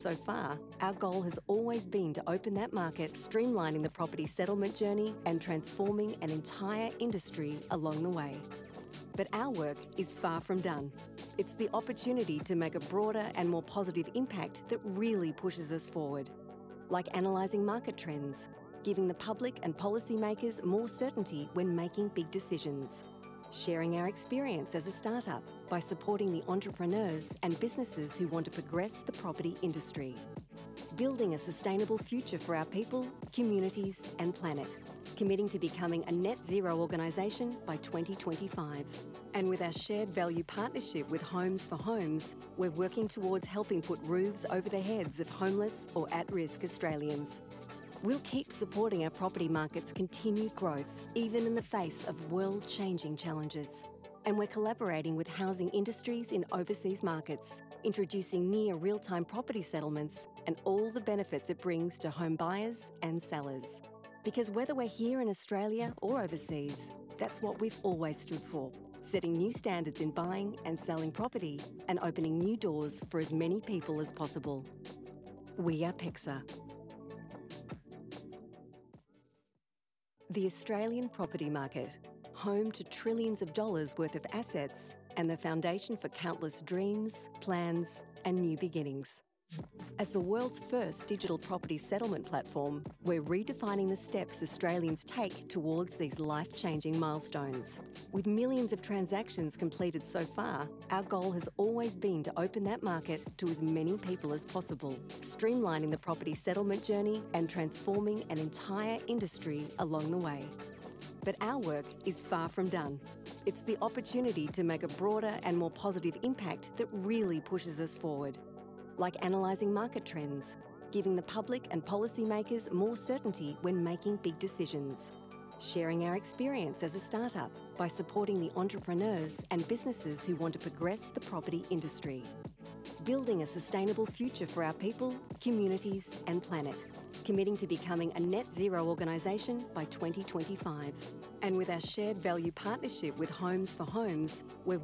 So far, our goal has always been to open that market, streamlining the property settlement journey and transforming an entire industry along the way, but our work is far from done. It's the opportunity to make a broader and more positive impact that really pushes us forward, like analyzing market trends, giving the public and policymakers more certainty when making big decisions, sharing our experience as a startup by supporting the entrepreneurs and businesses who want to progress the property industry, building a sustainable future for our people, communities, and planet, committing to becoming a net-zero organization by 2025, and with our shared value partnership with Homes for Homes, we're working towards helping put roofs over the heads of homeless or at-risk Australians. The Australian property market, home to trillions of dollars' worth of assets and the foundation for countless dreams, plans, and new beginnings. As the world's first digital property settlement platform, we're redefining the steps Australians take towards these life-changing milestones. With millions of transactions completed so far, our goal has always been to open that market to as many people as possible, streamlining the property settlement journey and transforming an entire industry along the way. But our work is far from done. It's the opportunity to make a broader and more positive impact that really pushes us forward, like analyzing market trends, giving the public and policymakers more certainty when making big decisions, sharing our experience as a startup by supporting the entrepreneurs and businesses who want to progress the property industry, building a sustainable future for our people, communities, and planet, committing to becoming a net-zero organization by 2025, and with our shared value partnership with Homes for Homes, we'll...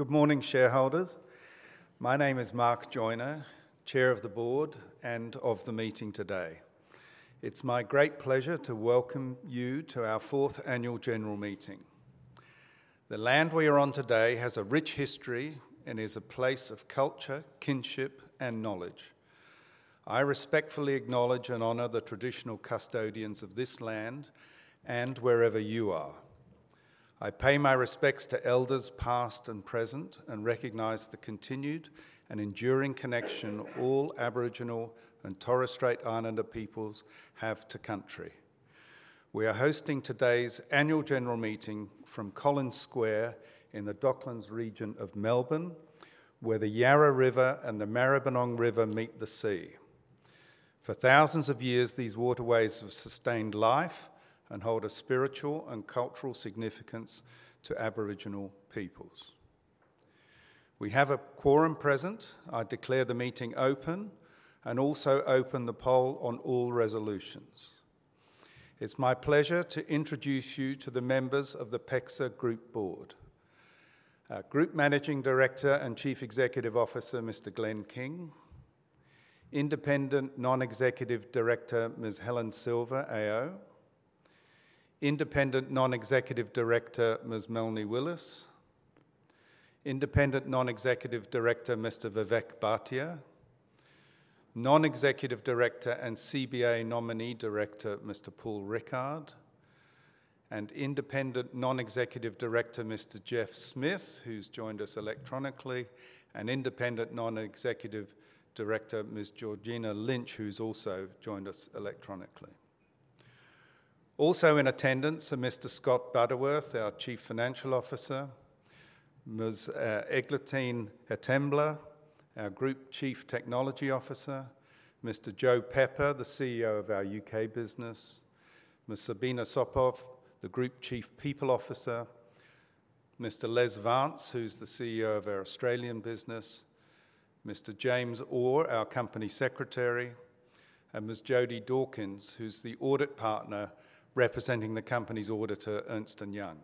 Good morning, shareholders. My name is Mark Joiner, Chair of the Board and of the meeting today. It's my great pleasure to welcome you to our fourth annual general meeting. The land we are on today has a rich history and is a place of culture, kinship, and knowledge. I respectfully acknowledge and honor the traditional custodians of this land and wherever you are. I pay my respects to elders past and present and recognize the continued and enduring connection all Aboriginal and Torres Strait Islander peoples have to country. We are hosting today's annual general meeting from Collins Square in the Docklands region of Melbourne, where the Yarra River and the Maribyrnong River meet the sea. For thousands of years, these waterways have sustained life and hold a spiritual and cultural significance to Aboriginal peoples. We have a quorum present. I declare the meeting open and also open the poll on all resolutions. It's my pleasure to introduce you to the members of the PEXA Group Board: Group Managing Director and Chief Executive Officer, Mr. Glenn King, Independent Non-Executive Director, Ms. Helen Silver, AO, Independent Non-Executive Director, Ms. Melanie Willis, Independent Non-Executive Director, Mr. Vivek Bhatia, Non-Executive Director and CBA Nominee Director, Mr. Paul Rickard, and Independent Non-Executive Director, Mr. Jeff Smith, who's joined us electronically, and Independent Non-Executive Director, Ms. Georgina Lynch, who's also joined us electronically. Also in attendance are Mr. Scott Butterworth, our Chief Financial Officer, Ms. Eglantine Etiemble, our Group Chief Technology Officer, Mr. Joe Pepper, the CEO of our UK business, Ms. Sabina Sopov, the Group Chief People Officer, Mr. Les Vance, who's the CEO of our Australian business, Mr. James Orr, our Company Secretary, and Ms. Jodie Dawkins, who's the Audit Partner representing the Company's Auditor, Ernst & Young.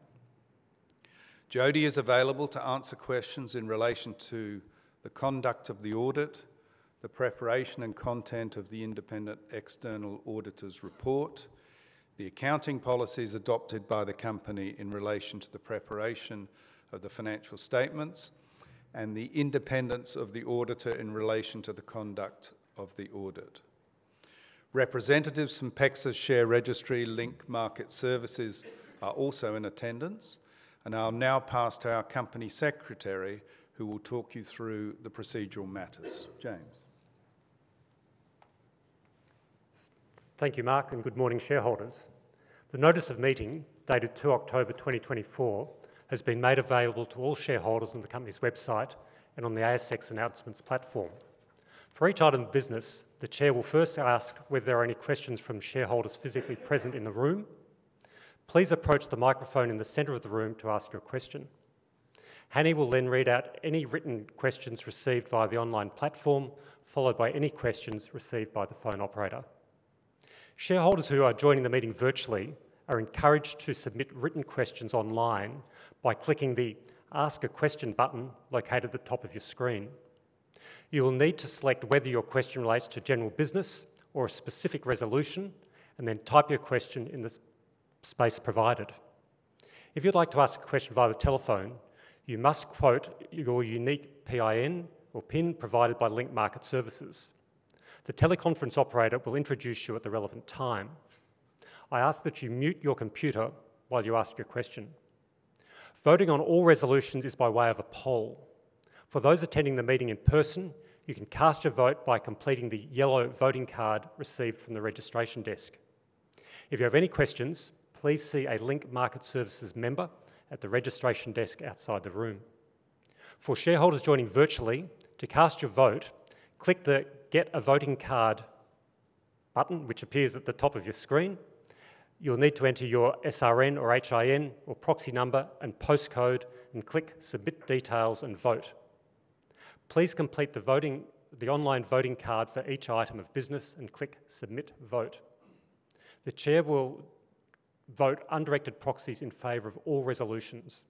Jodie is available to answer questions in relation to the conduct of the audit, the preparation and content of the independent external auditor's report, the accounting policies adopted by the Company in relation to the preparation of the financial statements, and the independence of the auditor in relation to the conduct of the audit. Representatives from PEXA's share registry, Link Market Services, are also in attendance, and I'll now pass to our Company Secretary, who will talk you through the procedural matters. James. Thank you, Mark, and good morning, shareholders. The notice of meeting dated 2 October 2024 has been made available to all shareholders on the Company's website and on the ASX announcements platform. For each item of business, the Chair will first ask whether there are any questions from shareholders physically present in the room. Please approach the microphone in the center of the room to ask your question. Hany will then read out any written questions received via the online platform, followed by any questions received by the phone operator. Shareholders who are joining the meeting virtually are encouraged to submit written questions online by clicking the Ask a Question button located at the top of your screen. You will need to select whether your question relates to general business or a specific resolution and then type your question in the space provided. If you'd like to ask a question via the telephone, you must quote your unique PIN or PIN provided by Link Market Services. The teleconference operator will introduce you at the relevant time. I ask that you mute your computer while you ask your question. Voting on all resolutions is by way of a poll. For those attending the meeting in person, you can cast your vote by completing the yellow voting card received from the registration desk. If you have any questions, please see a Link Market Services member at the registration desk outside the room. For shareholders joining virtually, to cast your vote, click the Get a Voting Card button, which appears at the top of your screen. You'll need to enter your SRN or HIN or proxy number and postcode and click Submit Details and Vote. Please complete the online voting card for each item of business and click Submit Vote. The Chair will vote undirected proxies in favor of all resolutions.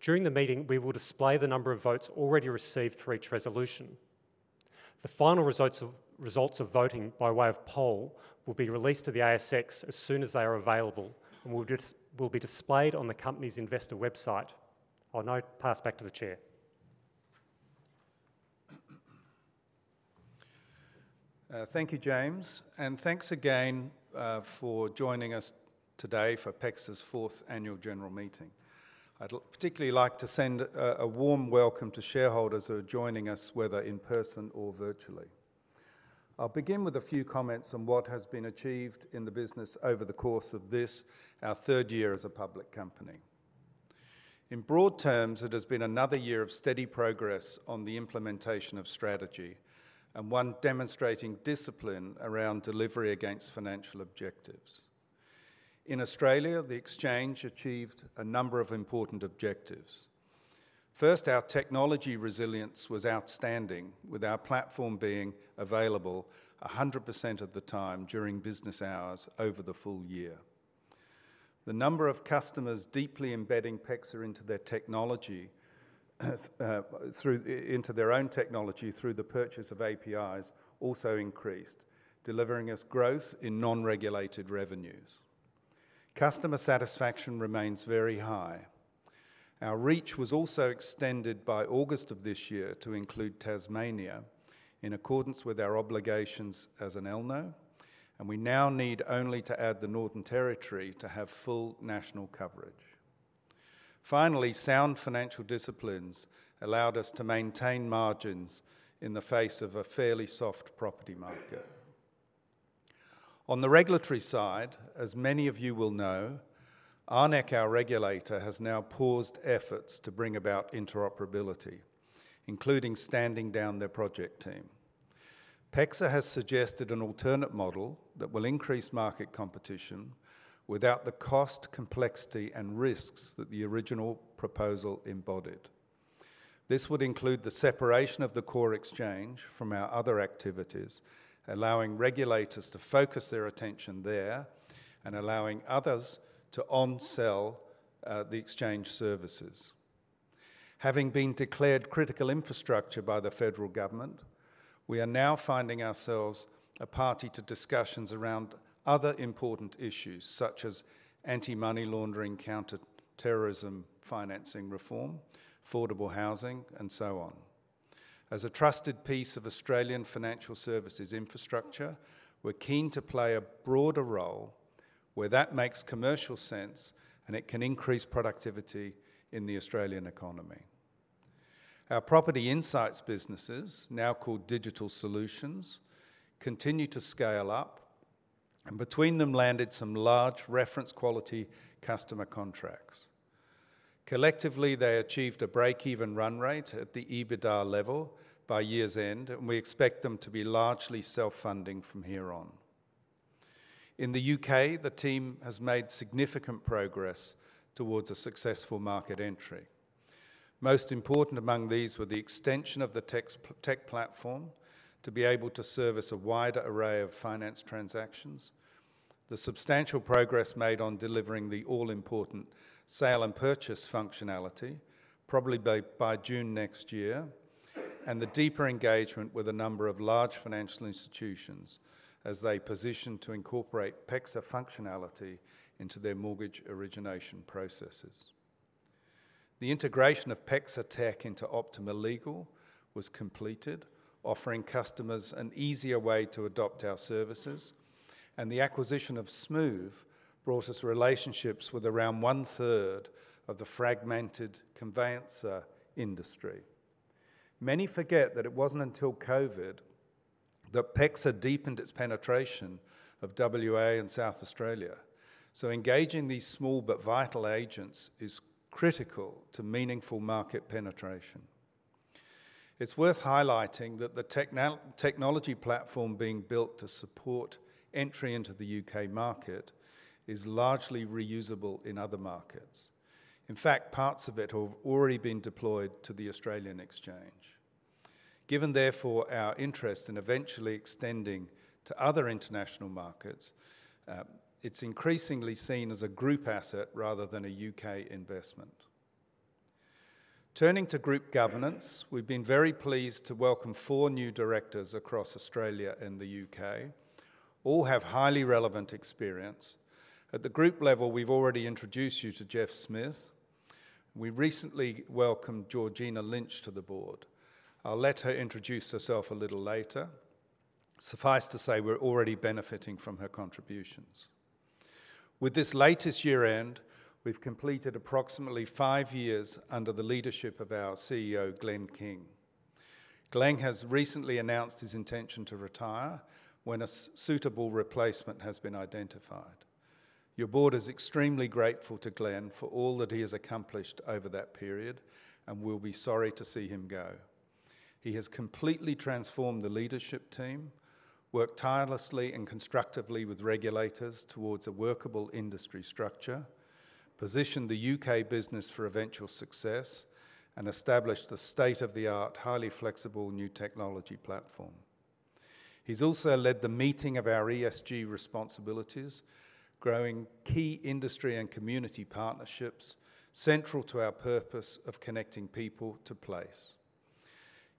During the meeting, we will display the number of votes already received for each resolution. The final results of voting by way of poll will be released to the ASX as soon as they are available and will be displayed on the Company's investor website. I'll now pass back to the Chair. Thank you, James, and thanks again for joining us today for PEXA's fourth annual general meeting. I'd particularly like to send a warm welcome to shareholders who are joining us, whether in person or virtually. I'll begin with a few comments on what has been achieved in the business over the course of this, our third year as a public company. In broad terms, it has been another year of steady progress on the implementation of strategy and one demonstrating discipline around delivery against financial objectives. In Australia, the exchange achieved a number of important objectives. First, our technology resilience was outstanding, with our platform being available 100% of the time during business hours over the full year. The number of customers deeply embedding PEXA into their technology through their own technology through the purchase of APIs also increased, delivering us growth in non-regulated revenues. Customer satisfaction remains very high. Our reach was also extended by August of this year to include Tasmania in accordance with our obligations as an ELNO, and we now need only to add the Northern Territory to have full national coverage. Finally, sound financial disciplines allowed us to maintain margins in the face of a fairly soft property market. On the regulatory side, as many of you will know, ARNECC, our regulator, has now paused efforts to bring about interoperability, including standing down their project team. PEXA has suggested an alternative model that will increase market competition without the cost, complexity, and risks that the original proposal embodied. This would include the separation of the core exchange from our other activities, allowing regulators to focus their attention there and allowing others to on-sell the exchange services. Having been declared critical infrastructure by the federal government, we are now finding ourselves a party to discussions around other important issues such as anti-money laundering, counter-terrorism financing reform, affordable housing, and so on. As a trusted piece of Australian financial services infrastructure, we're keen to play a broader role where that makes commercial sense and it can increase productivity in the Australian economy. Our property insights businesses, now called Digital Solutions, continue to scale up, and between them landed some large reference quality customer contracts. Collectively, they achieved a break-even run rate at the EBITDA level by year's end, and we expect them to be largely self-funding from here on. In the U.K., the team has made significant progress towards a successful market entry. Most important among these were the extension of the tech platform to be able to service a wider array of finance transactions, the substantial progress made on delivering the all-important sale and purchase functionality, probably by June next year, and the deeper engagement with a number of large financial institutions as they position to incorporate PEXA functionality into their mortgage origination processes. The integration of PEXA tech into Optima Legal was completed, offering customers an easier way to adopt our services, and the acquisition of Smoove brought us relationships with around one-third of the fragmented conveyancer industry. Many forget that it wasn't until COVID that PEXA deepened its penetration of WA and South Australia, so engaging these small but vital agents is critical to meaningful market penetration. It's worth highlighting that the technology platform being built to support entry into the UK market is largely reusable in other markets. In fact, parts of it have already been deployed to the Australian exchange. Given, therefore, our interest in eventually extending to other international markets, it's increasingly seen as a group asset rather than a U.K. investment. Turning to group governance, we've been very pleased to welcome four new directors across Australia and the U.K. All have highly relevant experience. At the group level, we've already introduced you to Jeff Smith. We recently welcomed Georgina Lynch to the board. I'll let her introduce herself a little later. Suffice to say, we're already benefiting from her contributions. With this latest year-end, we've completed approximately five years under the leadership of our CEO, Glenn King. Glenn has recently announced his intention to retire when a suitable replacement has been identified. Your board is extremely grateful to Glenn for all that he has accomplished over that period and will be sorry to see him go. He has completely transformed the leadership team, worked tirelessly and constructively with regulators towards a workable industry structure, positioned the U.K. business for eventual success, and established the state-of-the-art, highly flexible new technology platform. He's also led the meeting of our ESG responsibilities, growing key industry and community partnerships central to our purpose of connecting people to place.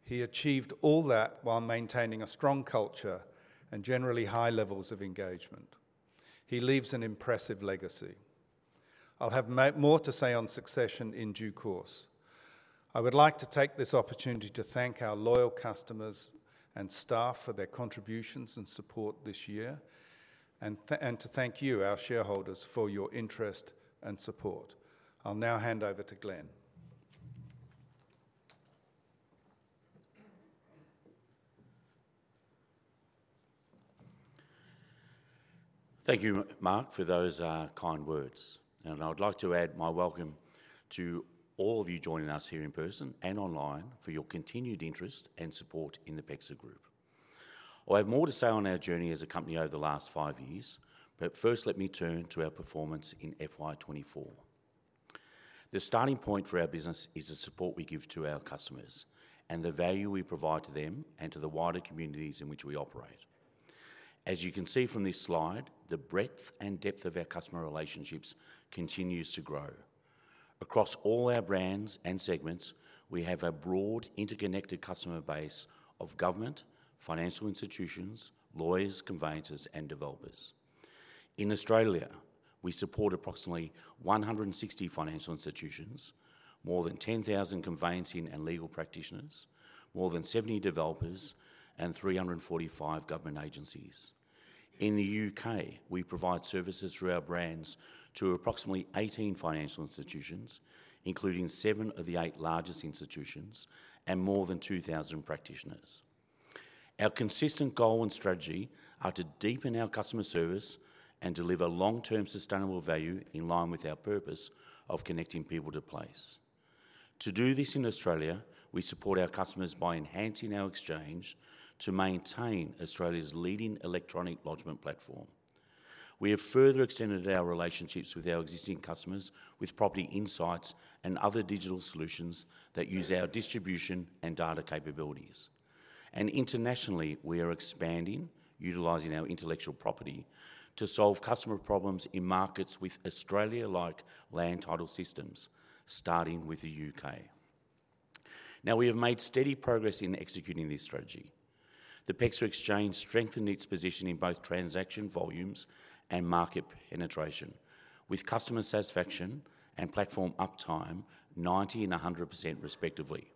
He achieved all that while maintaining a strong culture and generally high levels of engagement. He leaves an impressive legacy. I'll have more to say on succession in due course. I would like to take this opportunity to thank our loyal customers and staff for their contributions and support this year and to thank you, our shareholders, for your interest and support. I'll now hand over to Glenn. Thank you, Mark, for those kind words. I would like to add my welcome to all of you joining us here in person and online for your continued interest and support in the PEXA Group. I have more to say on our journey as a company over the last five years, but first, let me turn to our performance in FY24. The starting point for our business is the support we give to our customers and the value we provide to them and to the wider communities in which we operate. As you can see from this slide, the breadth and depth of our customer relationships continues to grow. Across all our brands and segments, we have a broad, interconnected customer base of government, financial institutions, lawyers, conveyancers, and developers. In Australia, we support approximately 160 financial institutions, more than 10,000 conveyancing and legal practitioners, more than 70 developers, and 345 government agencies. In the U.K., we provide services through our brands to approximately 18 financial institutions, including seven of the eight largest institutions and more than 2,000 practitioners. Our consistent goal and strategy are to deepen our customer service and deliver long-term sustainable value in line with our purpose of connecting people to place. To do this in Australia, we support our customers by enhancing our exchange to maintain Australia's leading electronic lodgement platform. We have further extended our relationships with our existing customers with property insights and other digital solutions that use our distribution and data capabilities. Internationally, we are expanding, utilizing our intellectual property to solve customer problems in markets with Australia-like land title systems, starting with the U.K. Now, we have made steady progress in executing this strategy. The PEXA Exchange strengthened its position in both transaction volumes and market penetration, with customer satisfaction and platform uptime 90% and 100%, respectively.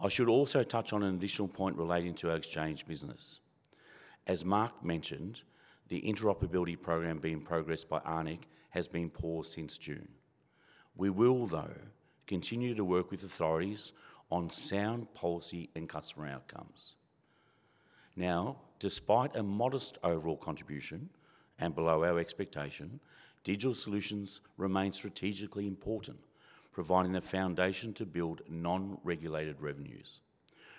I should also touch on an additional point relating to our exchange business. As Mark mentioned, the interoperability program being progressed by ARNECC has been paused since June. We will, though, continue to work with authorities on sound policy and customer outcomes. Now, despite a modest overall contribution and below our expectation, digital solutions remain strategically important, providing the foundation to build non-regulated revenues.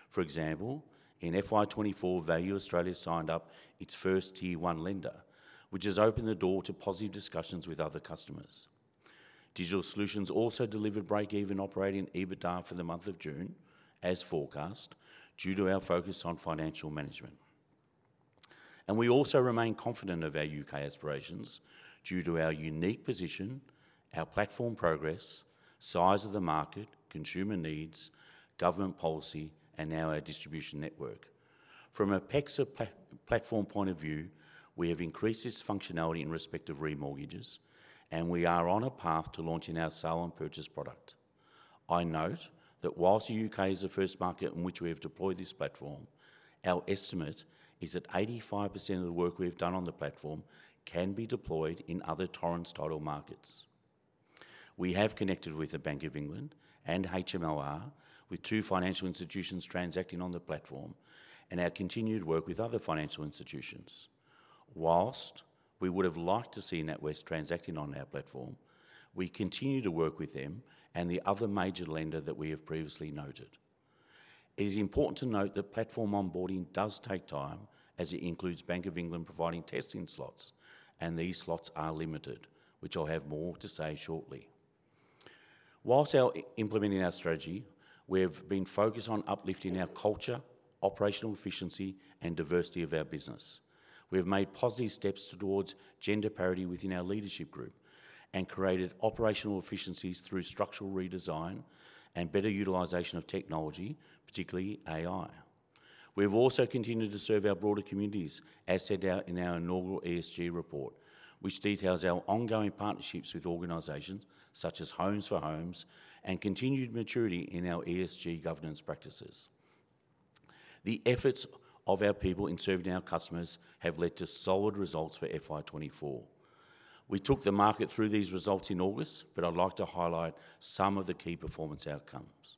For example, in FY24, Value Australia signed up its first Tier 1 lender, which has opened the door to positive discussions with other customers. Digital solutions also delivered break-even operating EBITDA for the month of June, as forecast, due to our focus on financial management. We also remain confident of our UK aspirations due to our unique position, our platform progress, size of the market, consumer needs, government policy, and now our distribution network. From a PEXA platform point of view, we have increased this functionality in respect of remortgages, and we are on a path to launching our sale and purchase product. I note that whilst the UK is the first market in which we have deployed this platform, our estimate is that 85% of the work we have done on the platform can be deployed in other Torrens Title markets. We have connected with the Bank of England and HMLR, with two financial institutions transacting on the platform, and our continued work with other financial institutions. While we would have liked to see NatWest transacting on our platform, we continue to work with them and the other major lender that we have previously noted. It is important to note that platform onboarding does take time, as it includes Bank of England providing testing slots, and these slots are limited, which I'll have more to say shortly. While implementing our strategy, we have been focused on uplifting our culture, operational efficiency, and diversity of our business. We have made positive steps towards gender parity within our leadership group and created operational efficiencies through structural redesign and better utilization of technology, particularly AI. We have also continued to serve our broader communities, as set out in our inaugural ESG report, which details our ongoing partnerships with organizations such as Homes for Homes and continued maturity in our ESG governance practices. The efforts of our people in serving our customers have led to solid results for FY24. We took the market through these results in August, but I'd like to highlight some of the key performance outcomes.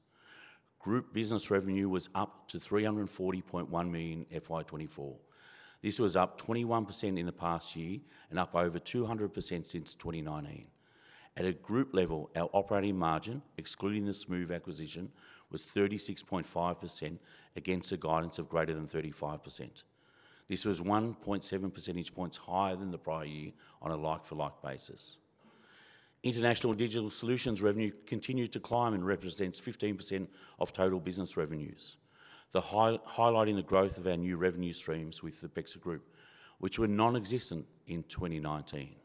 Group business revenue was up to 340.1 million FY24. This was up 21% in the past year and up over 200% since 2019. At a group level, our operating margin, excluding the Smoove acquisition, was 36.5% against a guidance of greater than 35%. This was 1.7 percentage points higher than the prior year on a like-for-like basis. International digital solutions revenue continued to climb and represents 15% of total business revenues, highlighting the growth of our new revenue streams with the PEXA Group, which were nonexistent in 2019.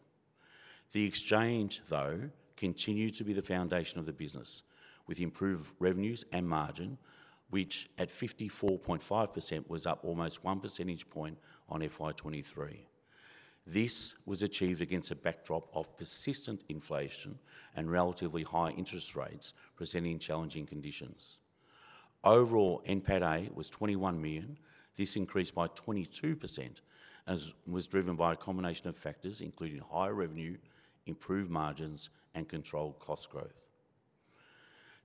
The exchange, though, continued to be the foundation of the business, with improved revenues and margin, which at 54.5% was up almost one percentage point on FY23. This was achieved against a backdrop of persistent inflation and relatively high interest rates presenting challenging conditions. Overall, NPATA was 21 million. This increased by 22% and was driven by a combination of factors, including higher revenue, improved margins, and controlled cost growth.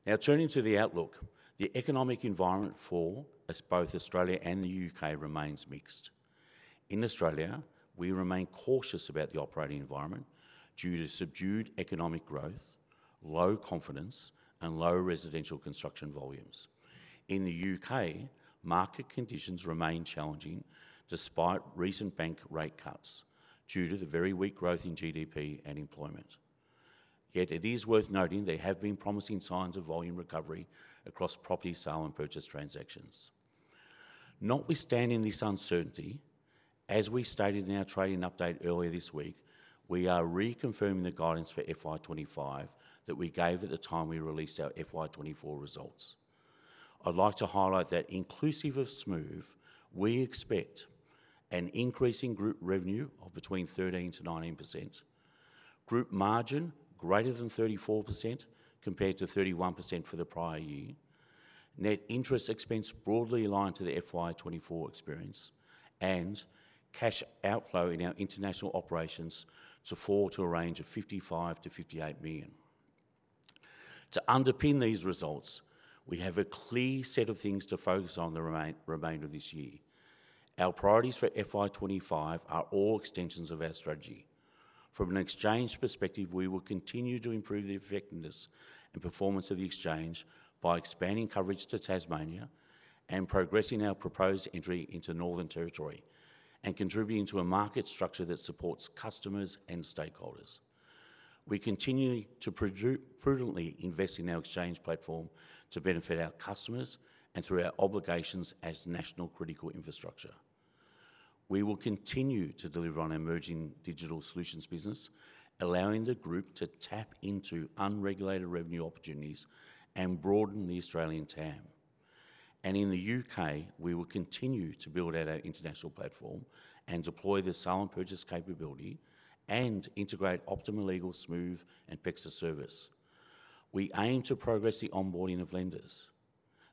Now, turning to the outlook, the economic environment for both Australia and the UK remains mixed. In Australia, we remain cautious about the operating environment due to subdued economic growth, low confidence, and low residential construction volumes. In the UK, market conditions remain challenging despite recent bank rate cuts due to the very weak growth in GDP and employment. Yet, it is worth noting there have been promising signs of volume recovery across property sale and purchase transactions. Notwithstanding this uncertainty, as we stated in our trading update earlier this week, we are reconfirming the guidance for FY25 that we gave at the time we released our FY24 results. I'd like to highlight that inclusive of Smoove, we expect an increase in group revenue of between 13%-19%, group margin greater than 34% compared to 31% for the prior year, net interest expense broadly aligned to the FY24 experience, and cash outflow in our international operations to fall to a range of 55 million-58 million. To underpin these results, we have a clear set of things to focus on the remainder of this year. Our priorities for FY25 are all extensions of our strategy. From an exchange perspective, we will continue to improve the effectiveness and performance of the exchange by expanding coverage to Tasmania and progressing our proposed entry into Northern Territory and contributing to a market structure that supports customers and stakeholders. We continue to prudently invest in our Exchange platform to benefit our customers and through our obligations as national critical infrastructure. We will continue to deliver on our emerging digital solutions business, allowing the group to tap into unregulated revenue opportunities and broaden the Australian TAM, and in the U.K., we will continue to build out our international platform and deploy the sale and purchase capability and integrate Optima Legal, Smoove, and PEXA service. We aim to progress the onboarding of lenders.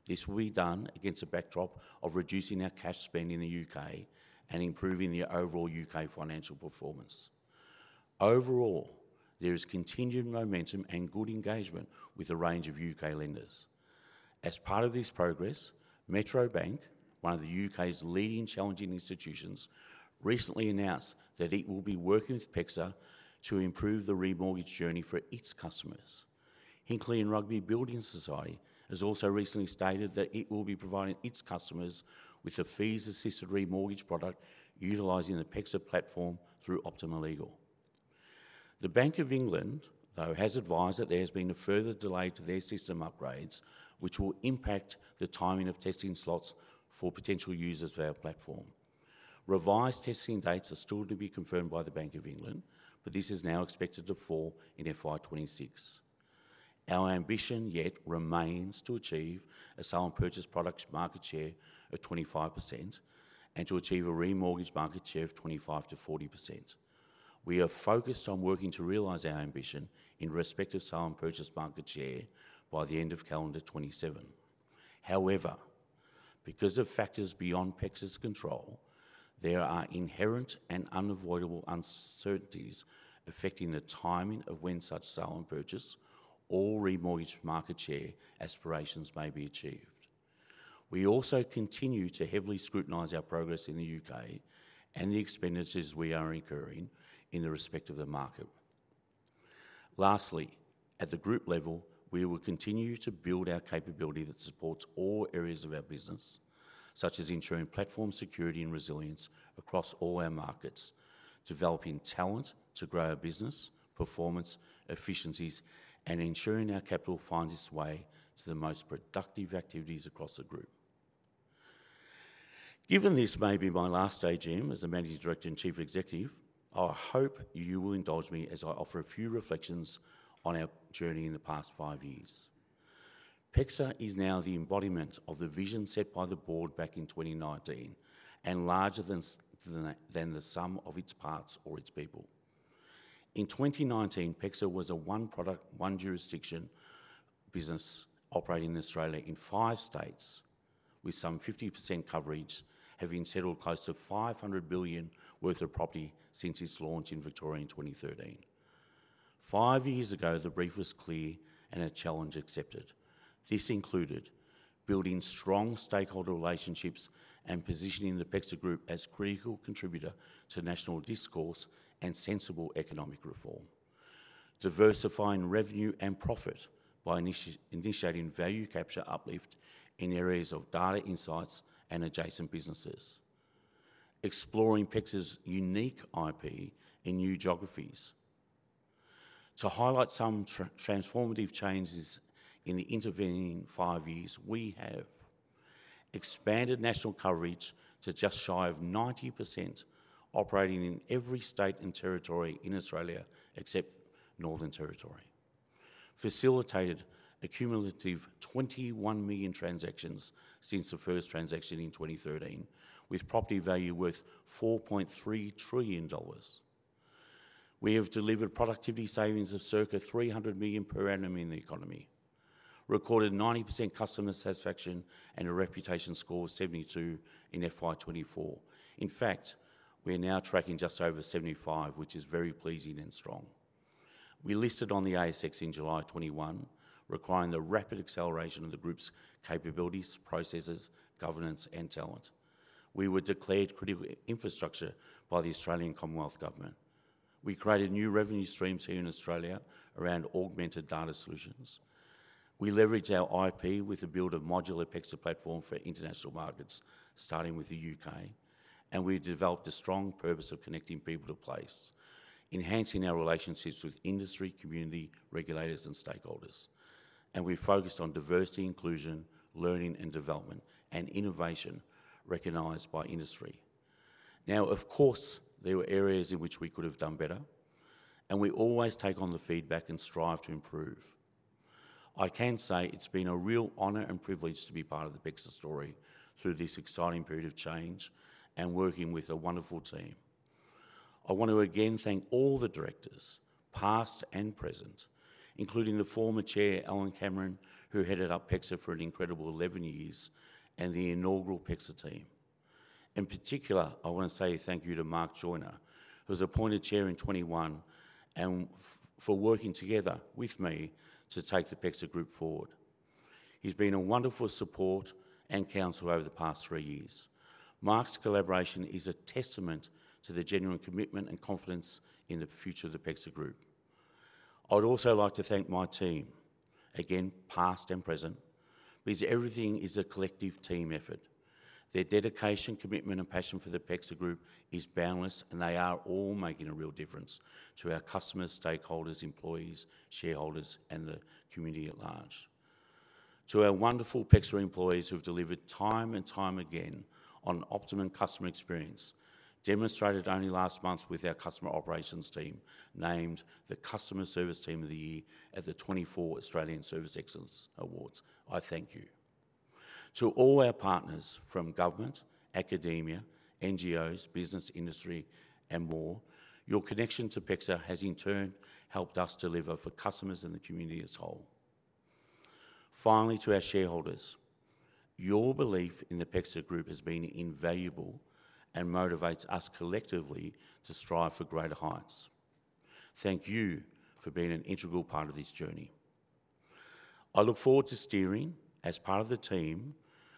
This will be done against a backdrop of reducing our cash spend in the U.K. and improving the overall U.K. financial performance.. Overall, there is continued momentum and good engagement with a range of UK lenders. As part of this progress, Metro Bank, one of the UK's leading challenger institutions, recently announced that it will be working with PEXA to improve the remortgage journey for its customers. Hinckley and Rugby Building Society has also recently stated that it will be providing its customers with a fees-assisted remortgage product utilizing the PEXA platform through Optima Legal. The Bank of England, though, has advised that there has been a further delay to their system upgrades, which will impact the timing of testing slots for potential users of our platform. Revised testing dates are still to be confirmed by the Bank of England, but this is now expected to fall in FY26. Our ambition yet remains to achieve a sale and purchase product market share of 25% and to achieve a remortgage market share of 25%-40%. We are focused on working to realize our ambition in respect of sale and purchase market share by the end of calendar 2027. However, because of factors beyond PEXA's control, there are inherent and unavoidable uncertainties affecting the timing of when such sale and purchase or remortgage market share aspirations may be achieved. We also continue to heavily scrutinize our progress in the U.K. and the expenditures we are incurring in respect of the market. Lastly, at the group level, we will continue to build our capability that supports all areas of our business, such as ensuring platform security and resilience across all our markets, developing talent to grow our business, performance, efficiencies, and ensuring our capital finds its way to the most productive activities across the group. Given this may be my last AGM as a Managing Director and Chief Executive, I hope you will indulge me as I offer a few reflections on our journey in the past five years. PEXA is now the embodiment of the vision set by the board back in 2019 and larger than the sum of its parts or its people. In 2019, PEXA was a one-product, one-jurisdiction business operating in Australia in five states, with some 50% coverage, having settled close to 500 billion worth of property since its launch in Victoria in 2013. Five years ago, the brief was clear and a challenge accepted. This included building strong stakeholder relationships and positioning the PEXA Group as a critical contributor to national discourse and sensible economic reform, diversifying revenue and profit by initiating value capture uplift in areas of data insights and adjacent businesses, exploring PEXA's unique IP in new geographies. To highlight some transformative changes in the intervening five years, we have expanded national coverage to just shy of 90%, operating in every state and territory in Australia except Northern Territory, facilitated a cumulative 21 million transactions since the first transaction in 2013, with property value worth 4.3 trillion dollars. We have delivered productivity savings of circa 300 million per annum in the economy, recorded 90% customer satisfaction, and a reputation score of 72 in FY24. In fact, we are now tracking just over 75, which is very pleasing and strong. We listed on the ASX in July 2021, requiring the rapid acceleration of the group's capabilities, processes, governance, and talent. We were declared critical infrastructure by the Australian Commonwealth Government. We created new revenue streams here in Australia around augmented data solutions. We leveraged our IP with the build of a modular PEXA platform for international markets, starting with the UK, and we developed a strong purpose of connecting people to place, enhancing our relationships with industry, community, regulators, and stakeholders, and we focused on diversity, inclusion, learning, and development, and innovation recognized by industry. Now, of course, there were areas in which we could have done better, and we always take on the feedback and strive to improve. I can say it's been a real honor and privilege to be part of the PEXA story through this exciting period of change and working with a wonderful team. I want to again thank all the directors, past and present, including the former Chair, Alan Cameron, who headed up PEXA for an incredible 11 years, and the inaugural PEXA team. In particular, I want to say thank you to Mark Joiner, who was appointed Chair in 2021, and for working together with me to take the PEXA Group forward. He's been a wonderful support and counsel over the past three years. Mark's collaboration is a testament to the genuine commitment and confidence in the future of the PEXA Group. I'd also like to thank my team, again, past and present, because everything is a collective team effort. Their dedication, commitment, and passion for the PEXA Group is boundless, and they are all making a real difference to our customers, stakeholders, employees, shareholders, and the community at large. To our wonderful PEXA employees who have delivered time and time again on optimum customer experience, demonstrated only last month with our customer operations team named the Customer Service Team of the Year at the 2024 Australian Service Excellence Awards. I thank you. To all our partners from government, academia, NGOs, business industry, and more, your connection to PEXA has, in turn, helped us deliver for customers and the community as a whole. Finally, to our shareholders, your belief in the PEXA Group has been invaluable and motivates us collectively to strive for greater heights. Thank you for being an integral part of this journey. I look forward to steering, as part of the team,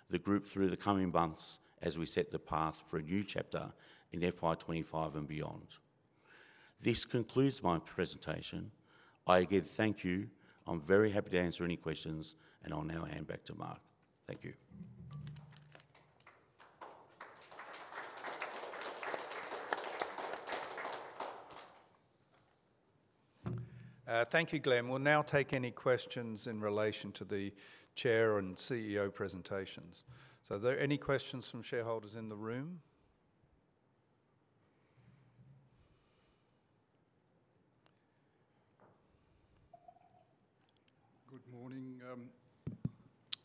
the group through the coming months as we set the path for a new chapter in FY25 and beyond. This concludes my presentation. I again thank you. I'm very happy to answer any questions, and I'll now hand back to Mark. Thank you. Thank you, Glenn. We'll now take any questions in relation to the chair and CEO presentations. So are there any questions from shareholders in the room? Good morning.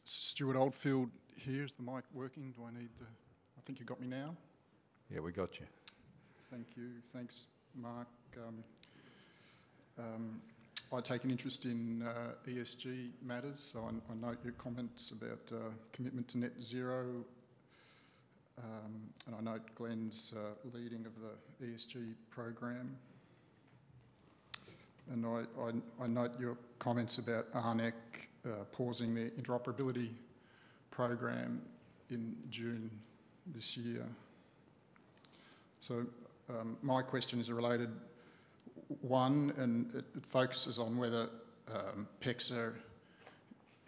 Stuart Oldfield, here's the mic working. Do I need to—I think you got me now. Yeah, we got you. Thank you. Thanks, Mark. I take an interest in ESG matters, so I note your comments about commitment to net zero, and I note Glenn's leading of the ESG program, and I note your comments about ARNECC pausing the interoperability program in June this year. So my question is a related one, and it focuses on whether PEXA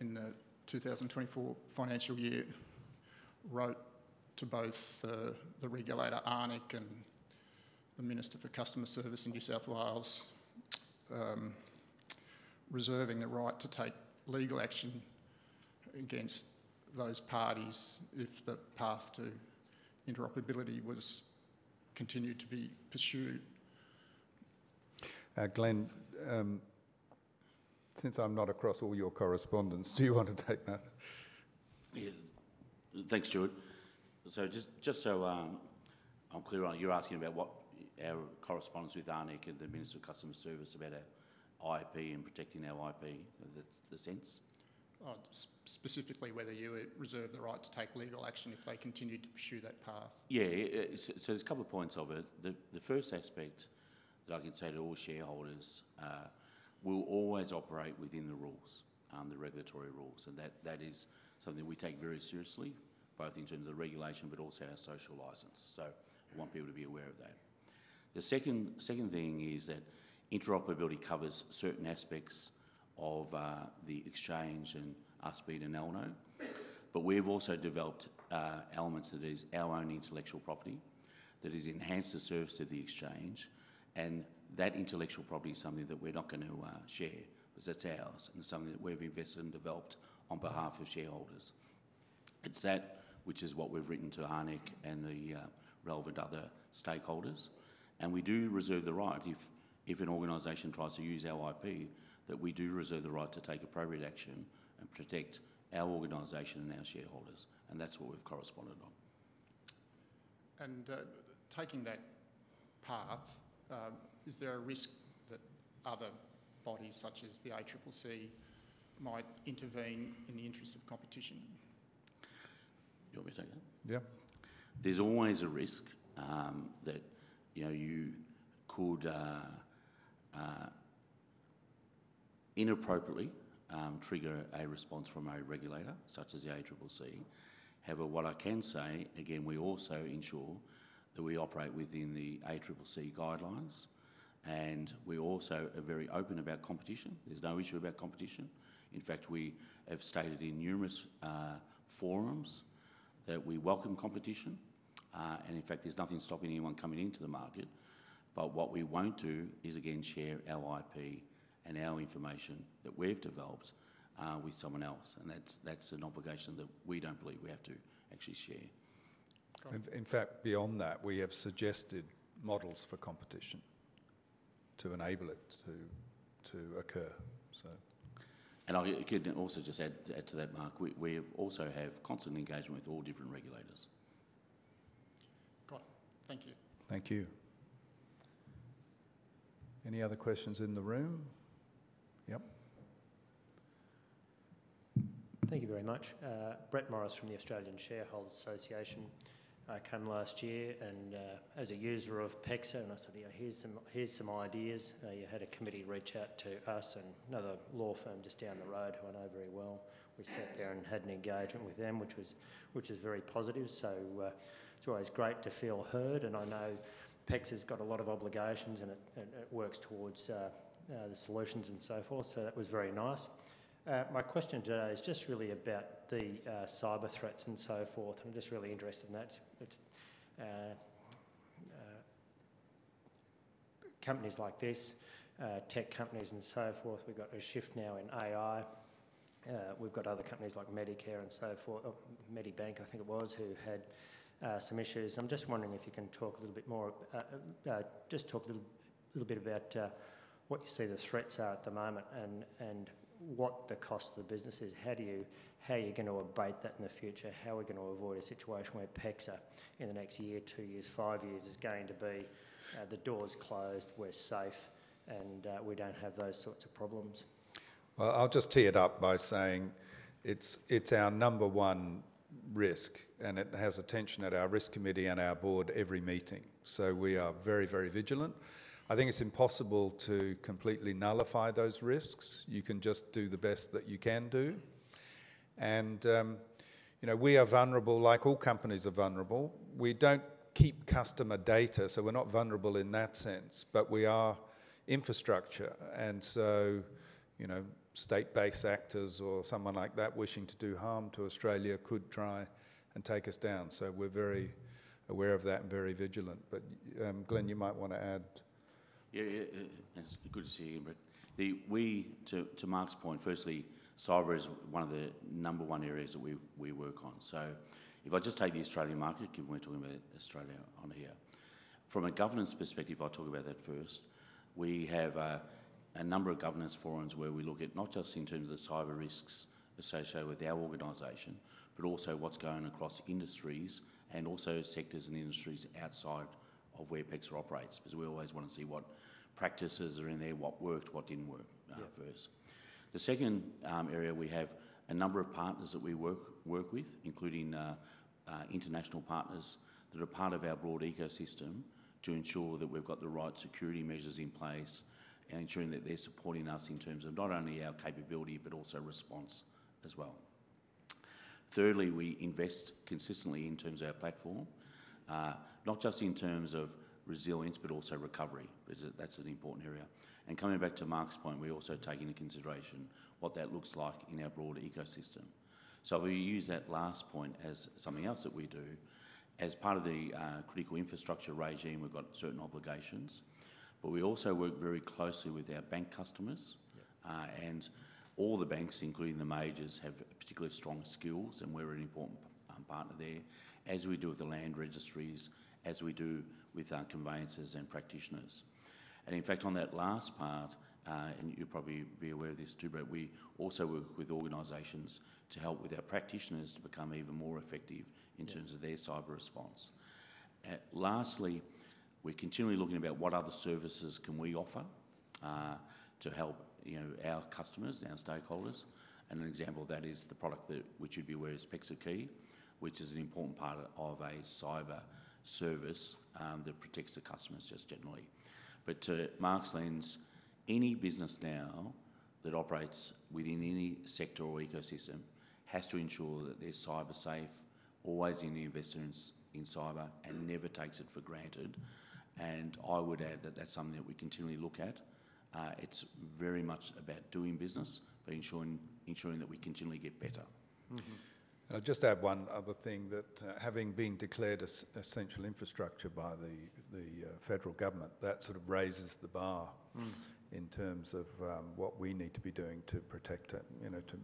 in the 2024 financial year wrote to both the regulator ARNECC and the Minister for Customer Service in New South Wales, reserving the right to take legal action against those parties if the path to interoperability was continued to be pursued. Glenn, since I'm not across all your correspondence, do you want to take that? Thanks, Stuart. So just so I'm clear on it, you're asking about what our correspondence with ARNECC and the Minister for Customer Service about our IP and protecting our IP, that's the sense? Specifically, whether you reserve the right to take legal action if they continue to pursue that path. Yeah, so there's a couple of points of it. The first aspect that I can say to all shareholders: we'll always operate within the rules, the regulatory rules, and that is something we take very seriously, both in terms of the regulation, but also our social license. So I want people to be aware of that. The second thing is that interoperability covers certain aspects of the exchange and us being an ELNO. But we've also developed elements that is our own intellectual property that is enhanced the service of the exchange, and that intellectual property is something that we're not going to share because that's ours and something that we've invested and developed on behalf of shareholders. It's that which is what we've written to ARNECC and the relevant other stakeholders. And we do reserve the right if an organization tries to use our IP that we do reserve the right to take appropriate action and protect our organization and our shareholders. And that's what we've corresponded on. Taking that path, is there a risk that other bodies such as the ACCC might intervene in the interest of competition? Do you want me to take that? Yeah. There's always a risk that you could inappropriately trigger a response from a regulator such as the ACCC. However, what I can say, again, we also ensure that we operate within the ACCC guidelines, and we also are very open about competition. There's no issue about competition. In fact, we have stated in numerous forums that we welcome competition, and in fact, there's nothing stopping anyone coming into the market. But what we won't do is, again, share our IP and our information that we've developed with someone else. And that's an obligation that we don't believe we have to actually share. In fact, beyond that, we have suggested models for competition to enable it to occur, so. I could also just add to that, Mark. We also have constant engagement with all different regulators. Got it. Thank you. Thank you. Any other questions in the room? Yep. Thank you very much. Brett Morris from the Australian Shareholders' Association came last year and, as a user of PEXA, and I said, "Here's some ideas." You had a committee reach out to us and another law firm just down the road who I know very well. We sat there and had an engagement with them, which was very positive, so it's always great to feel heard, and I know PEXA's got a lot of obligations and it works towards the solutions and so forth, so that was very nice. My question today is just really about the cyber threats and so forth. I'm just really interested in that. Companies like this, tech companies and so forth. We've got a shift now in AI. We've got other companies like Medicare and so forth, Medibank, I think it was, who had some issues. I'm just wondering if you can talk a little bit more, just talk a little bit about what you see the threats are at the moment and what the cost of the business is? How are you going to abate that in the future? How are we going to avoid a situation where PEXA in the next year, two years, five years is going to be the doors closed, we're safe, and we don't have those sorts of problems? I'll just tee it up by saying it's our number one risk, and it has attention at our risk committee and our board every meeting. So we are very, very vigilant. I think it's impossible to completely nullify those risks. You can just do the best that you can do. And we are vulnerable, like all companies are vulnerable. We don't keep customer data, so we're not vulnerable in that sense, but we are infrastructure. And so state-based actors or someone like that wishing to do harm to Australia could try and take us down. So we're very aware of that and very vigilant. But Glenn, you might want to add. Yeah, it's good to see you, Brett. To Mark's point, firstly, cyber is one of the number one areas that we work on. So if I just take the Australian market, given we're talking about Australia on here, from a governance perspective, I'll talk about that first. We have a number of governance forums where we look at not just in terms of the cyber risks associated with our organization, but also what's going across industries and also sectors and industries outside of where PEXA operates, because we always want to see what practices are in there, what worked, what didn't work first. The second area we have a number of partners that we work with, including international partners that are part of our broad ecosystem to ensure that we've got the right security measures in place and ensuring that they're supporting us in terms of not only our capability, but also response as well. Thirdly, we invest consistently in terms of our platform, not just in terms of resilience, but also recovery, because that's an important area, and coming back to Mark's point, we're also taking into consideration what that looks like in our broader ecosystem, so if we use that last point as something else that we do, as part of the critical infrastructure regime, we've got certain obligations, but we also work very closely with our bank customers. And all the banks, including the majors, have particularly strong skills, and we're an important partner there, as we do with the land registries, as we do with our conveyancers and practitioners. And in fact, on that last part, and you'll probably be aware of this too, but we also work with organizations to help with our practitioners to become even more effective in terms of their cyber response. Lastly, we're continually looking at what other services can we offer to help our customers and our stakeholders. And an example of that is the product that we should be aware is PEXA Key, which is an important part of a cyber service that protects the customers just generally. But to Mark's lens, any business now that operates within any sector or ecosystem has to ensure that they're cyber safe, always investing in cyber, and never takes it for granted. I would add that that's something that we continually look at. It's very much about doing business, but ensuring that we continually get better. I'll just add one other thing that having been declared essential infrastructure by the federal government, that sort of raises the bar in terms of what we need to be doing to protect it, to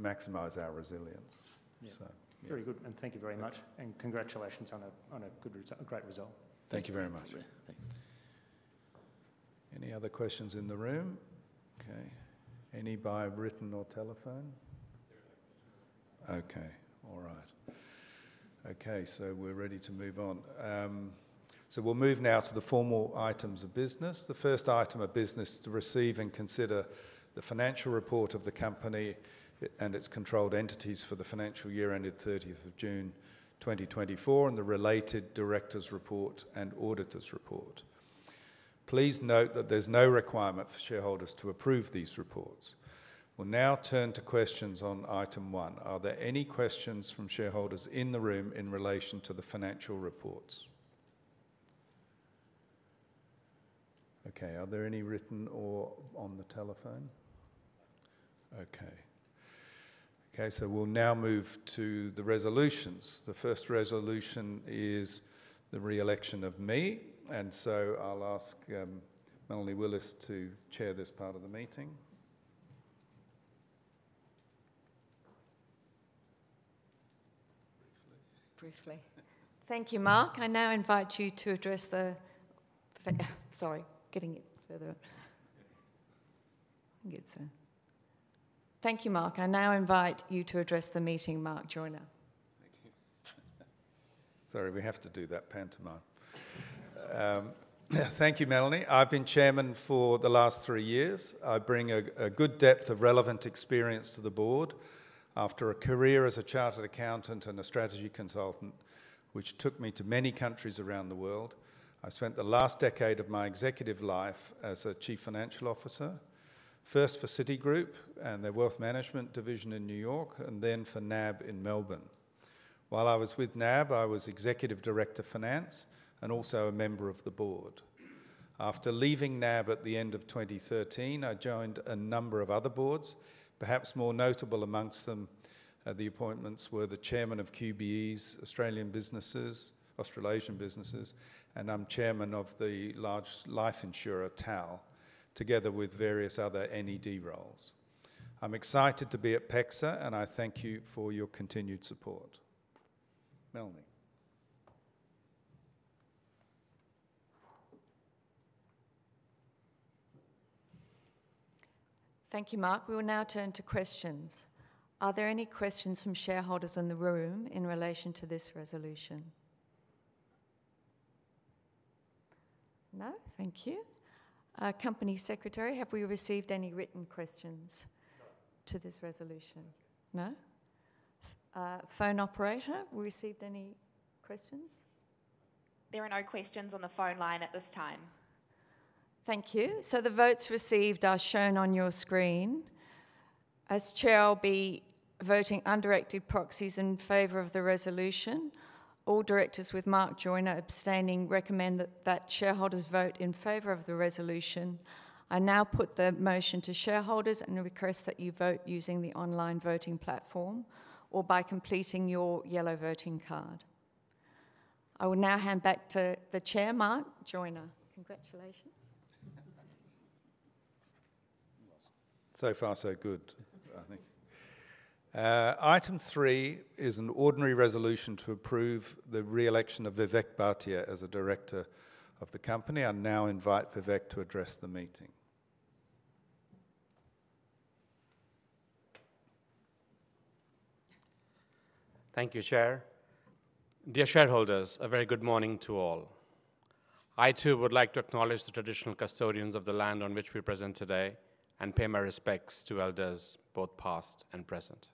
maximize our resilience. Very good. And thank you very much. And congratulations on a great result. Thank you very much. Any other questions in the room? Okay. Any by written or telephone? Okay. All right. Okay. So we're ready to move on. So we'll move now to the formal items of business. The first item of business is to receive and consider the financial report of the company and its controlled entities for the financial year ended 30th of June 2024 and the related director's report and auditor's report. Please note that there's no requirement for shareholders to approve these reports. We'll now turn to questions on item one. Are there any questions from shareholders in the room in relation to the financial reports? Okay. Are there any written or on the telephone? Okay. Okay. So we'll now move to the resolutions. The first resolution is the reelection of me. And so I'll ask Melanie Willis to chair this part of the meeting. Briefly. Thank you, Mark. I now invite you to address the meeting, Mark Joiner. Thank you. Sorry, we have to do that pantomime. Thank you, Melanie. I've been chairman for the last three years. I bring a good depth of relevant experience to the board after a career as a chartered accountant and a strategy consultant, which took me to many countries around the world. I spent the last decade of my executive life as a chief financial officer, first for Citigroup and their wealth management division in New York, and then for NAB in Melbourne. While I was with NAB, I was executive director finance and also a member of the board. After leaving NAB at the end of 2013, I joined a number of other boards. Perhaps more notable among them, the appointments were the chairman of QBE's Australian businesses, Australasian businesses, and I'm chairman of the large life insurer, TAL, together with various other NED roles. I'm excited to be at PEXA, and I thank you for your continued support. Melanie. Thank you, Mark. We will now turn to questions. Are there any questions from shareholders in the room in relation to this resolution? No? Thank you. Company secretary, have we received any written questions to this resolution? No? Phone operator, have we received any questions? There are no questions on the phone line at this time. Thank you. So the votes received are shown on your screen. As Chair, I'll be voting under undirected proxies in favor of the resolution. All directors with Mark Joiner abstaining recommend that shareholders vote in favor of the resolution. I now put the motion to shareholders and request that you vote using the online voting platform or by completing your yellow voting card. I will now hand back to the Chair, Mark Joiner. Congratulations. So far, so good, I think. Item three is an ordinary resolution to approve the reelection of Vivek Bhatia as a director of the company. I now invite Vivek to address the meeting. Thank you, Chair. Dear shareholders, a very good morning to all. I too would like to acknowledge the traditional custodians of the land on which we present today and pay my respects to elders both past and present.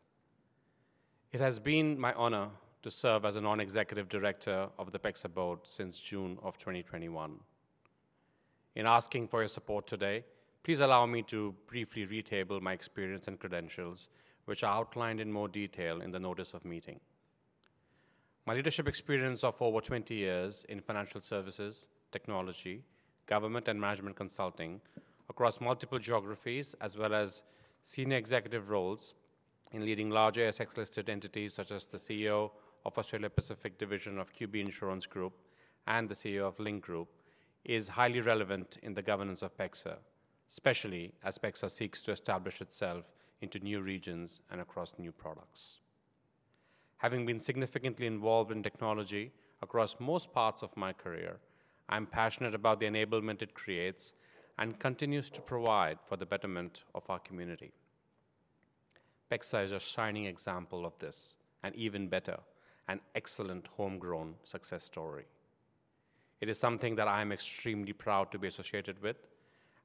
It has been my honor to serve as a non-executive director of the PEXA board since June of 2021. In asking for your support today, please allow me to briefly recap my experience and credentials, which are outlined in more detail in the notice of meeting. My leadership experience of over 20 years in financial services, technology, government, and management consulting across multiple geographies, as well as senior executive roles in leading large ASX-listed entities such as the CEO of Australia Pacific Division of QBE Insurance Group and the CEO of Link Group, is highly relevant in the governance of PEXA, especially as PEXA seeks to establish itself into new regions and across new products. Having been significantly involved in technology across most parts of my career, I'm passionate about the enablement it creates and continues to provide for the betterment of our community. PEXA is a shining example of this and even better, an excellent homegrown success story. It is something that I'm extremely proud to be associated with,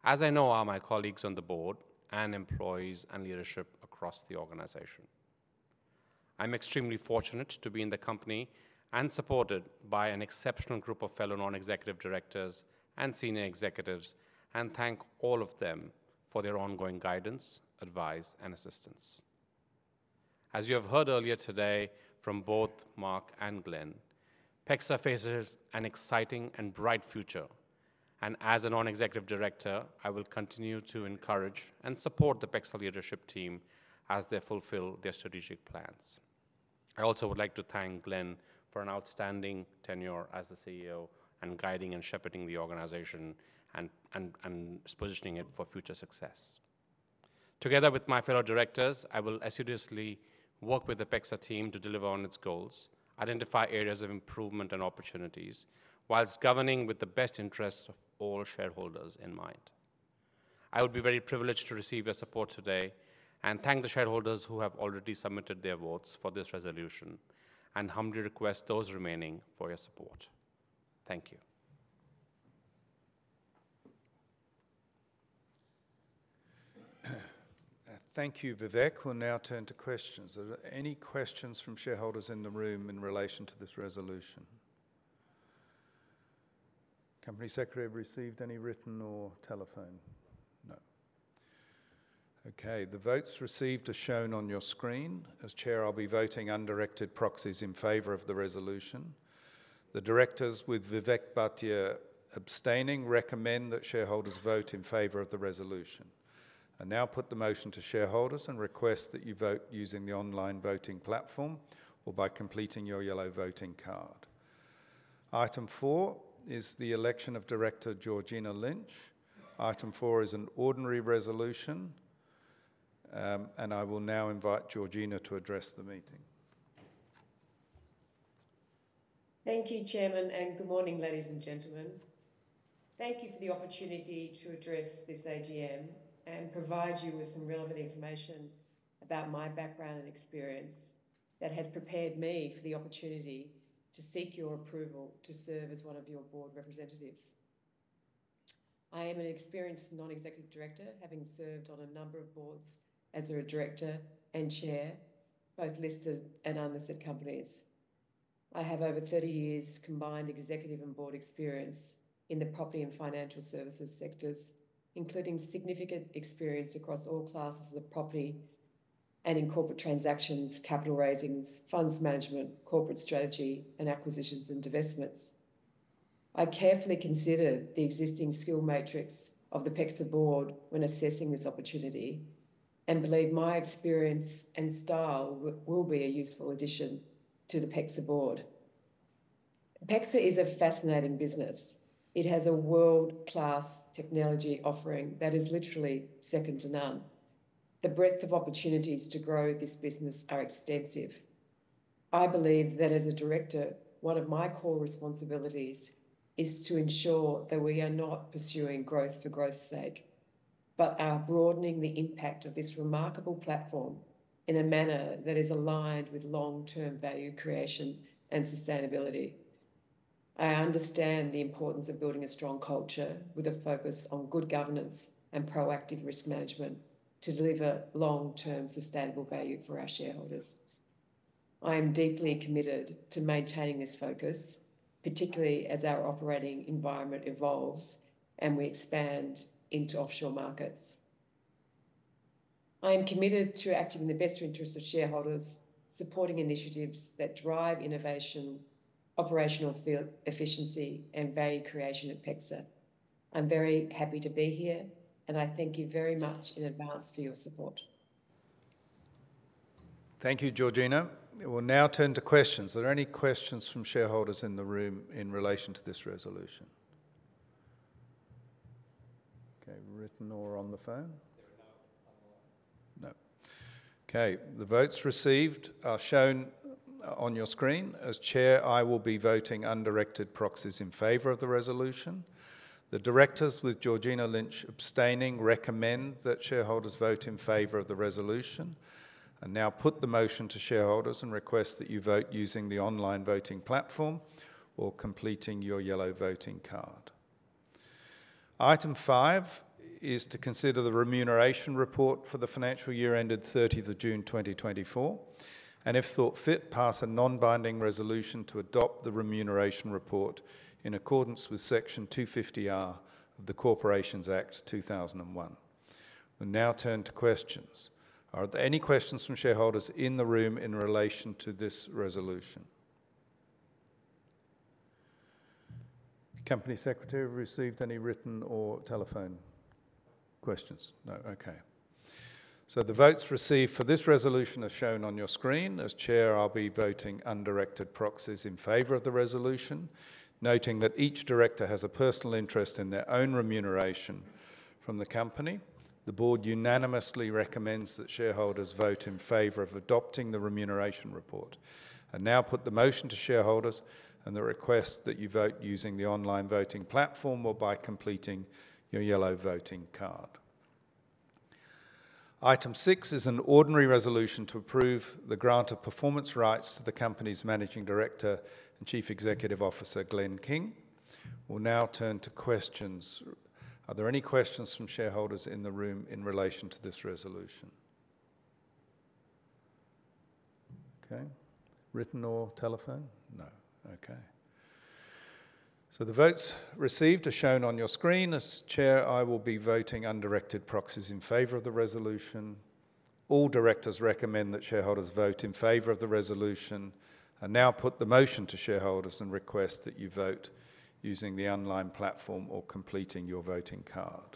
as I know are my colleagues on the board and employees and leadership across the organization. I'm extremely fortunate to be in the company and supported by an exceptional group of fellow non-executive directors and senior executives, and thank all of them for their ongoing guidance, advice, and assistance. As you have heard earlier today from both Mark and Glenn, PEXA faces an exciting and bright future. And as a non-executive director, I will continue to encourage and support the PEXA leadership team as they fulfill their strategic plans. I also would like to thank Glenn for an outstanding tenure as the CEO and guiding and shepherding the organization and positioning it for future success. Together with my fellow directors, I will assiduously work with the PEXA team to deliver on its goals, identify areas of improvement and opportunities, while governing with the best interests of all shareholders in mind. I would be very privileged to receive your support today and thank the shareholders who have already submitted their votes for this resolution and humbly request those remaining for your support. Thank you. Thank you, Vivek. We'll now turn to questions. Are there any questions from shareholders in the room in relation to this resolution? Company secretary, have you received any written or telephone? No? Okay. The votes received are shown on your screen. As Chair, I'll be voting undirected proxies in favor of the resolution. The directors, with Vivek Bhatia abstaining, recommend that shareholders vote in favor of the resolution. I now put the motion to shareholders and request that you vote using the online voting platform or by completing your yellow voting card. Item four is the election of Director Georgina Lynch. Item four is an ordinary resolution, and I will now invite Georgina to address the meeting. Thank you, Chairman, and good morning, ladies and gentlemen. Thank you for the opportunity to address this AGM and provide you with some relevant information about my background and experience that has prepared me for the opportunity to seek your approval to serve as one of your board representatives. I am an experienced non-executive director, having served on a number of boards as a director and chair, both listed and unlisted companies. I have over 30 years' combined executive and board experience in the property and financial services sectors, including significant experience across all classes of property and in corporate transactions, capital raisings, funds management, corporate strategy, and acquisitions and divestments. I carefully consider the existing skill matrix of the PEXA board when assessing this opportunity and believe my experience and style will be a useful addition to the PEXA board. PEXA is a fascinating business. It has a world-class technology offering that is literally second to none. The breadth of opportunities to grow this business are extensive. I believe that as a director, one of my core responsibilities is to ensure that we are not pursuing growth for growth's sake, but are broadening the impact of this remarkable platform in a manner that is aligned with long-term value creation and sustainability. I understand the importance of building a strong culture with a focus on good governance and proactive risk management to deliver long-term sustainable value for our shareholders. I am deeply committed to maintaining this focus, particularly as our operating environment evolves and we expand into offshore markets. I am committed to acting in the best interests of shareholders, supporting initiatives that drive innovation, operational efficiency, and value creation at PEXA. I'm very happy to be here, and I thank you very much in advance for your support. Thank you, Georgina. We'll now turn to questions. Are there any questions from shareholders in the room in relation to this resolution? Okay. Written or on the phone? There are none on the line. No. Okay. The votes received are shown on your screen. As Chair, I will be voting under undirected proxies in favor of the resolution. The directors, with Georgina Lynch abstaining, recommend that shareholders vote in favor of the resolution. I now put the motion to shareholders and request that you vote using the online voting platform or completing your yellow voting card. Item five is to consider the remuneration report for the financial year ended 30th of June 2024, and if thought fit, pass a non-binding resolution to adopt the remuneration report in accordance with Section 250(r) of the Corporations Act 2001. We'll now turn to questions. Are there any questions from shareholders in the room in relation to this resolution? Company Secretary, have you received any written or telephone questions? No? Okay, so the votes received for this resolution are shown on your screen. As Chair, I'll be voting under undirected proxies in favor of the resolution, noting that each director has a personal interest in their own remuneration from the company. The board unanimously recommends that shareholders vote in favor of adopting the remuneration report. I now put the motion to shareholders and request that you vote using the online voting platform or by completing your yellow voting card. Item six is an ordinary resolution to approve the grant of performance rights to the company's Managing Director and Chief Executive Officer, Glenn King. We'll now turn to questions. Are there any questions from shareholders in the room in relation to this resolution? Okay. Written or telephone? No. Okay. So the votes received are shown on your screen. As Chair, I will be voting under undirected proxies in favor of the resolution. All directors recommend that shareholders vote in favor of the resolution. I now put the motion to shareholders and request that you vote using the online platform or completing your voting card.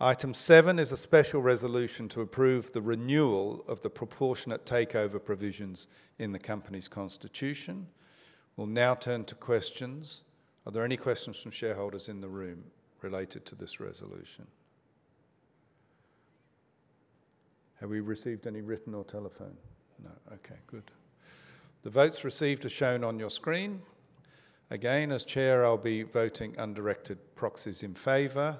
Item seven is a special resolution to approve the renewal of the proportiontakeover provisions in the company's constitution. We'll now turn to questions. Are there any questions from shareholders in the room related to this resolution? Have we received any written or telephone? No? Okay. Good. The votes received are shown on your screen. Again, as chair, I'll be voting under undeclared proxies in favor.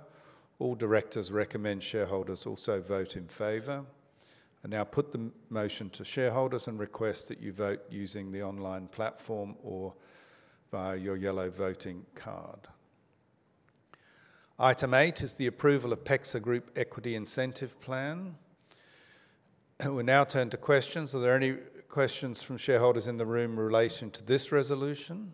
All directors recommend shareholders also vote in favor. I now put the motion to shareholders and request that you vote using the online platform or via your yellow voting card. Item eight is the approval of PEXA Group Equity Incentive Plan. We'll now turn to questions. Are there any questions from shareholders in the room in relation to this resolution?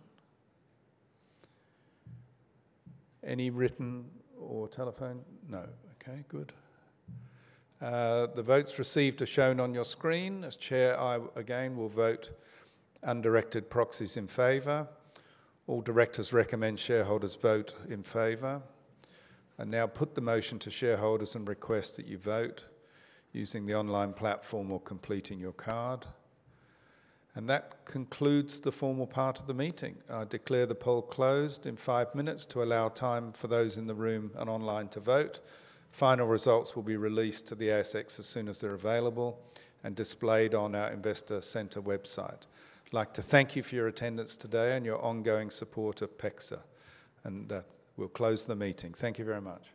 Any written or telephone? No? Okay. Good. The votes received are shown on your screen. As Chair, I again will vote under unacted proxies in favor. All directors recommend shareholders vote in favor. I now put the motion to shareholders and request that you vote using the online platform or completing your card. That concludes the formal part of the meeting. I declare the poll closed in five minutes to allow time for those in the room and online to vote. Final results will be released to the ASX as soon as they're available and displayed on our investor center website. I'd like to thank you for your attendance today and your ongoing support of PEXA. We'll close the meeting. Thank you very much.